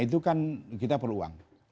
itu kan kita perlu uang